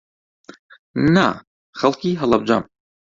نا، خەڵکی هەڵەبجەم.